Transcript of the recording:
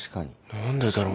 何でだろう。